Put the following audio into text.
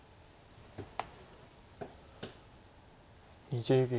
２０秒。